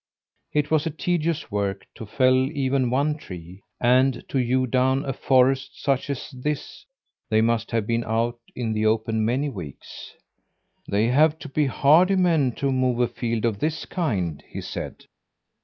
It was tedious work to fell even one tree, and to hew down a forest such as this they must have been out in the open many weeks. "They have to be hardy men to mow a field of this kind," he said.